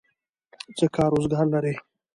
څه کار روزګار لرئ؟